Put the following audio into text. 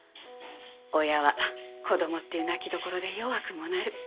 親は子どもっていう泣きどころで弱くもなる。